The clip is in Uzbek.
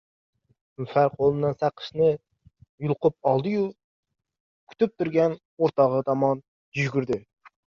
Nilufar qo‘limdan saqichni yulqib oldi-yu, kutib turgan o‘rtog‘i tomonga yugurdi.